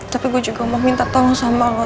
tapi gue juga mau minta tolong sama lo